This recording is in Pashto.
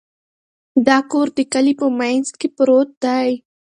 دا کور د کلي په منځ کې پروت دی.